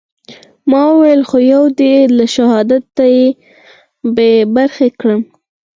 ما وويل يو خو دې له شهادته بې برخې کړم.